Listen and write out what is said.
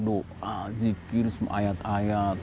doa zikir semua ayat ayat